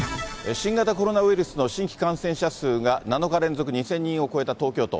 新型コロナウイルスの新規感染者数が、７日連続２０００人を超えた東京都。